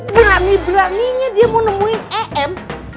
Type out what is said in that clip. berani beraninya dia mau nemuin em